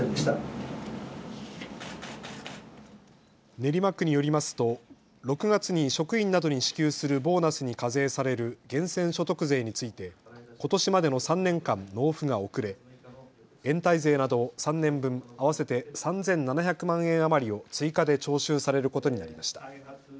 練馬区によりますと６月に職員などに支給するボーナスに課税される源泉所得税についてことしまでの３年間、納付が遅れ延滞税など３年分、合わせて３７００万円余りを追加で徴収されることになりました。